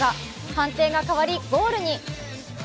判定が変わりゴールに。